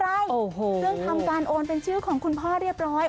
ซึ่งทำการโอนเป็นชื่อของคุณพ่อเรียบร้อย